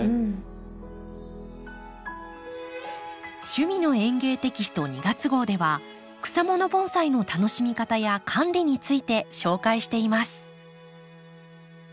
「趣味の園芸」テキスト２月号では草もの盆栽の楽しみ方や管理について紹介しています。